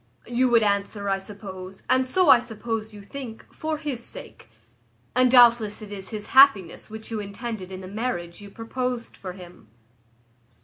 You would answer, I suppose, and so I suppose you think, for his sake; and doubtless it is his happiness which you intended in the marriage you proposed for him.